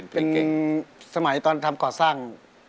เป็นสมัยตอนทำก่อสร้าง